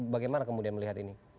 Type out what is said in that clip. bagaimana kemudian melihat ini